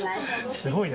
すごいな。